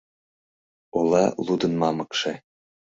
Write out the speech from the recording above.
Ола лудын мамыкше